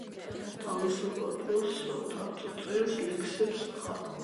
თავისუფალ დროს დათო წერს ლექსებს, ხატავს.